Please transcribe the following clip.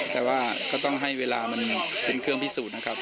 แต่ว่าก็ต้องให้เวลามันเป็นเครื่องพิสูจน์นะครับ